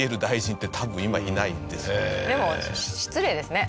でも失礼ですね。